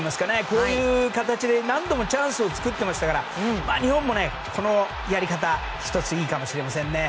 こういう形で、何度もチャンスを作っていましたから日本も、このやり方１ついいかもしれませんね。